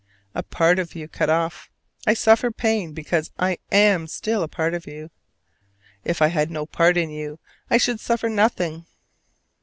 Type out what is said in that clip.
A part of you cut off, I suffer pain because I am still part of you. If I had no part in you I should suffer nothing.